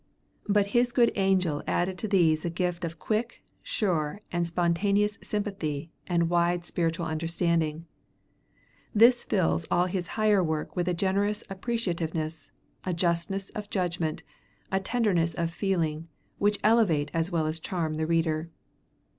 But his good angel added to these a gift of quick, sure, and spontaneous sympathy and wide spiritual understanding. This fills all his higher work with a generous appreciativeness, a justness of judgment, a tenderness of feeling, which elevate as well as charm the reader.